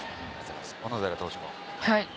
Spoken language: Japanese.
小野寺投手も。